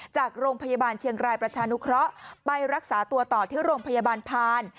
จากโรงพยาบาลเชียงรายประชานุเคราะห์ไปรักษาตัวต่อที่โรงพยาบาลพาน